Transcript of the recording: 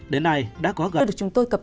đến nay đã có gặp